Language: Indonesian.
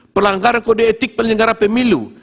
pelanggaran kode etik penyelenggara pemilu